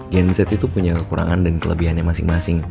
gen z itu punya kekurangan dan kelebihannya masing masing